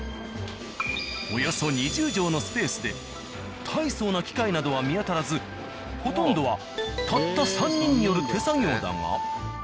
およそ２０畳のスペースで大層な機械などは見当たらずほとんどはたった３人による手作業だが。